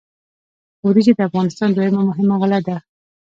وریجې د افغانستان دویمه مهمه غله ده.